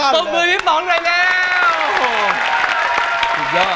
ต้องมือพี่ป๋องหน่อยแล้ว